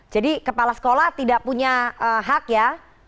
jadi kepala sekolah tidak punya hak ya